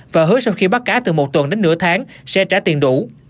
và hứa sau khi bắt cá từ một tuần đến nửa tháng sẽ trả tiền đủ